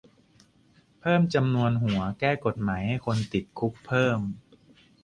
เพิ่มจำนวนหัว แก้กฎหมายให้คนติดคุกเพิ่มขึ้น